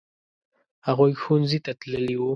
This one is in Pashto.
هغوی ښوونځي ته تللي وو.